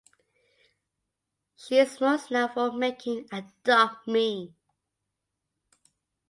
She is most known for making Adopt Me!